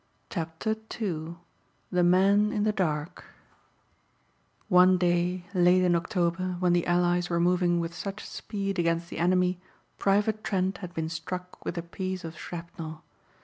CHAPTER TWO THE MAN IN THE DARK One day late in October when the Allies were moving with such speed against the enemy Private Trent had been struck with a piece of shrapnel.